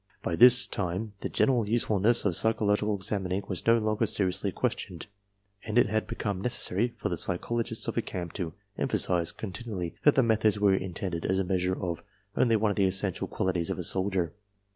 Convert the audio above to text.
By this time the general usefulness of psychological examining was no longer seriously questioned, and it had be come necessary for the psychologists of a camp to emphasize continually that the methods were intended as a measure of only one of the essential qualities of a soldier.